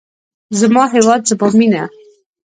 زما هیواد زما مینه.